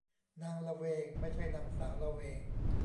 นางละเวง ไม่ใช่นางสาวละเวง